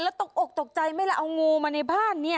แล้วตกออกตกใจไม่แล้วเอางูมาในบ้านนี่